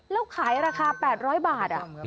แล้วขายราคา๘๐๐บาท